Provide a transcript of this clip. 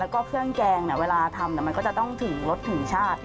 แล้วก็เครื่องแกงเวลาทำมันก็จะต้องถึงรสถึงชาติ